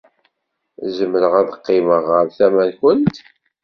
Zemreɣ ad qqimeɣ ɣer tama-nkent?